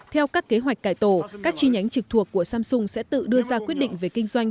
theo các kế hoạch cải tổ các chi nhánh trực thuộc của samsung sẽ tự đưa ra quyết định về kinh doanh